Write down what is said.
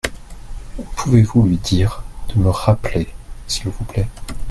Pouvez-vous lui dire de me rappeler s'il vous plait ?